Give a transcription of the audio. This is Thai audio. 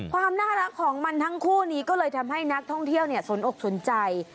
ความน่ารักของมันทั้งคู่นี้ก็เลยทำให้นักท่องเที่ยวสนอกสนใจ